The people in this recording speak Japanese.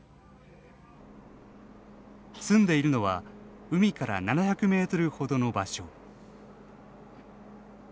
住んでいるのは海から７００メートルほどの場所。